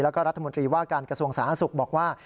แล้วก็รัฐมนตรีว่าการกระทรวงสาธารณสุขบอกว่า